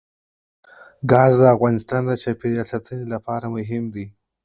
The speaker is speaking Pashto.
ګاز د افغانستان د چاپیریال ساتنې لپاره مهم دي.